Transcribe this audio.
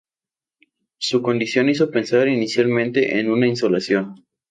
Su condición hizo pensar inicialmente en una insolación.